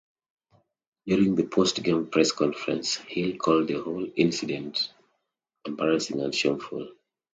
During the post-game press conference, Hill called the whole incident embarrassing and shameful.